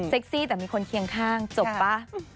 ซี่แต่มีคนเคียงข้างจบป่ะ